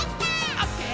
「オッケー！